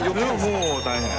もう大変。